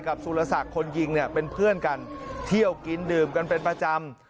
สุรศักดิ์คนยิงเนี่ยเป็นเพื่อนกันเที่ยวกินดื่มกันเป็นประจำ